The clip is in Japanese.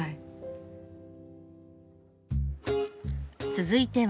続いては。